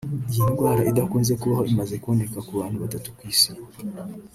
Iyi ndwara idakunze kubaho imaze kuboneka ku bantu batatu ku isi